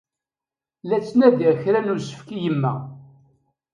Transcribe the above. La d-ttnadiɣ kra n usefk i yemma.